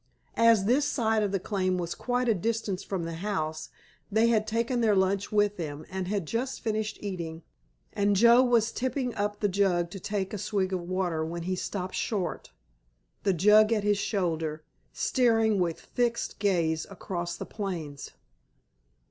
As this side of the claim was quite a distance from the house they had taken their lunch with them, and had just finished eating, and Joe was tipping up the jug to take a swig of water, when he stopped short, the jug at his shoulder, staring with fixed gaze across the plains.